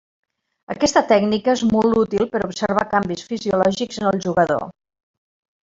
Aquesta tècnica és molt útil per observar canvis fisiològics en el jugador.